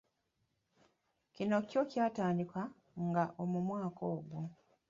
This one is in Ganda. Kino kyo kyatandika nga mu mwaka ogwo.